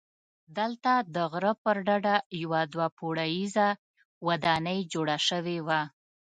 دلته د غره پر ډډه یوه دوه پوړیزه ودانۍ جوړه شوې وه.